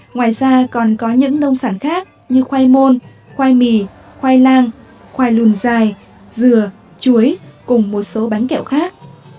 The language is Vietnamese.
ngoài ra còn có những nông sản khác như khoai môn khoai mì khoai lang khoai lùn dài dừa chuối cùng một số bánh kẹo khác